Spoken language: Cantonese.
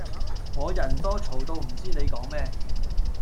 我人多嘈到唔知你講咩